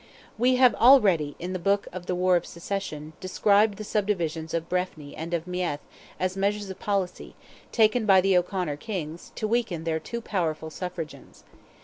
We have already, in the book of the "War of Succession," described the subdivisions of Breffni and of Meath as measures of policy, taken by the O'Conor Kings, to weaken their too powerful suffragans.